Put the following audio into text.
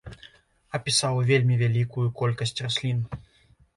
Апісаў вельмі вялікую колькасць раслін.